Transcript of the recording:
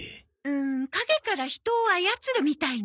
うん陰から人を操るみたいな？